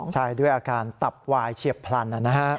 ใช่ด้วยอาการตับวายเชียบพลันนะครับ